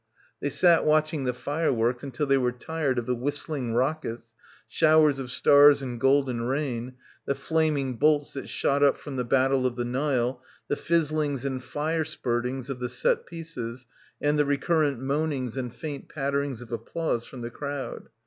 They sat watching the fireworks until they were tired of the whistling rockets, showers of stars and golden rain, the flaming bolts that shot up from the Battle of the Nile, the fizzlings and fire spurtings of the set pieces and the recurrent moanings and faint patterings of applause from the crowd.